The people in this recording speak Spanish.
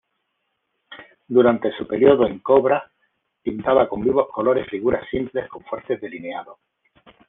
Durante su periodo en CoBrA pintaba con vivos colores figuras simples con fuertes delineados.